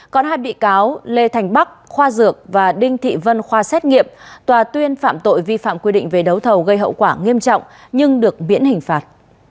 còn hai bị cáo lê thành bắc khoa dược và đinh thị vân khoa xét nghiệm tòa tuyên phạm tội vi phạm quy định về đấu thầu gây hậu quả nghiêm trọng nhưng được biễn hình phạt